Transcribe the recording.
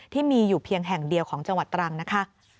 ที่มีอยู่เพียงแห่งเดียวของจังหวัดตรังนะคะ